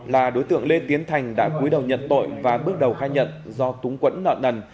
là đối tượng lê tiến thành đã cuối đầu nhận tội và bước đầu khai nhận do túng quẫn nợ nần